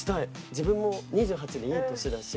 自分も２８でいい年だし